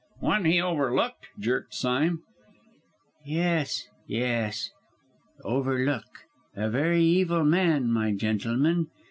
"One he overlooked?" jerked Sime. "Yes, yes, overlook! A very evil man, my gentlemen.